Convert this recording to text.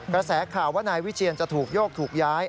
กระแสข่าวว่านายวิเชียนจะถูกโยกถูกย้าย